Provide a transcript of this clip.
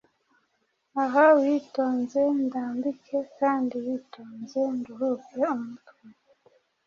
Ah! witonze ndambike, kandi witonze nduhuke umutwe